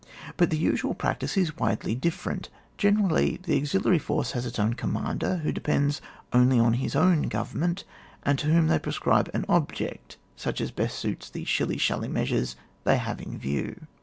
But the usual practice is widely difPerent. Oenerally the auxiliary force has its own commander, who depends only on his own government, and to whom they prescribe an object such as best suits the shilly shally measures they have in "view.